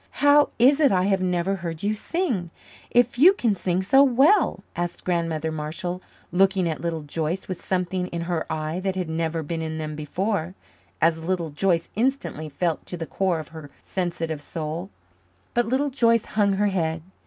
"How is it I have never heard you sing, if you can sing so well?" asked Grandmother Marshall, looking at Little Joyce with something in her eyes that had never been in them before as Little Joyce instantly felt to the core of her sensitive soul. But Little Joyce hung her head.